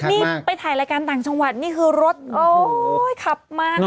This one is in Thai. นี่ไปถ่ายรายการต่างจังหวัดนี่คือรถโอ้ยขับมา